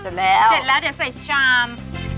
เสร็จแล้วเสร็จแล้วเดี๋ยวใส่ชาม